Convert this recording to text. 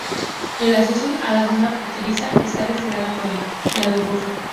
El acceso a la zona fronteriza está restringida por el lado ruso.